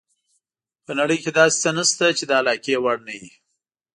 په نړۍ کې داسې څه نشته چې د علاقې وړ نه وي.